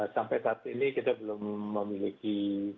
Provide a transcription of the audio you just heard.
sampai saat ini kita belum memiliki